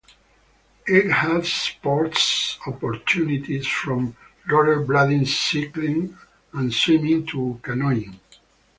It has sports opportunities from rollerblading, cycling and swimming to canoeing.